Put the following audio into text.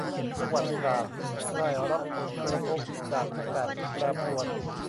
จังหวัดตราดได้รับผลกระทบจากอากาศที่แปรปรวน